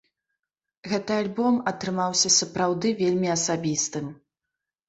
Гэты альбом атрымаўся сапраўды вельмі асабістым.